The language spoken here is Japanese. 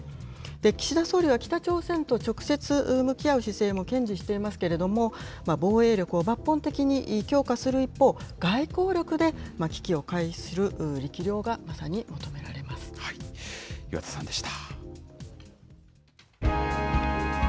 岸田総理は北朝鮮と直接向き合う姿勢も堅持していますけれども、防衛力を抜本的に強化する一方、外交力で危機を回避する力量が、岩田さんでした。